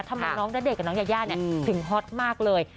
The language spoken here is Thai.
ทำให้น้องเด็กกับน้องยาถึงฮอตมากเลย